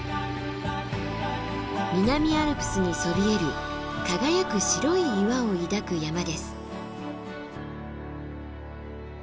南アルプスにそびえる輝く白い岩を抱く山です。